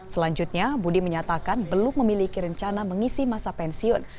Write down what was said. selanjutnya budi menyatakan belum memiliki rencana mengisi masa pensiun